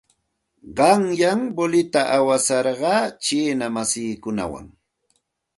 Qanyan voleyta awasarqaa chiina masiikunawan.